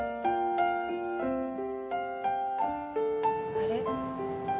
あれ？